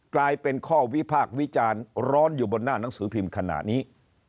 กลายเป็นข้อวิพากษ์วิจารณ์ร้อนอยู่บนหน้าหนังสือพิมพ์ขณะนี้